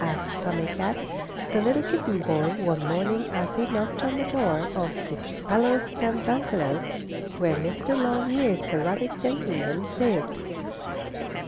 asked Tommie Kat, the little kitten boy, one morning as he knocked on the door of the hollow stump bungalow, where Mr. Longears, the rabbit gentleman, lived.